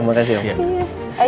mau mau udah mau